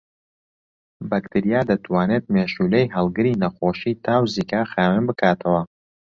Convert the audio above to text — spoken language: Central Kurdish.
بەکتریا دەتوانێت مێشولەی هەڵگری نەخۆشیی تا و زیکا خاوێن بکاتەوە